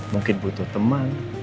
mungkin butuh teman